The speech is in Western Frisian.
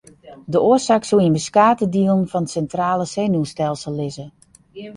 De oarsaak soe yn beskate dielen fan it sintrale senuwstelsel lizze.